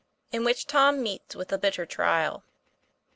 IN WHICH TOM MEETS WITH A BITTER TRIAL.